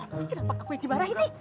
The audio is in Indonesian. kenapa aku yang dimarahi sih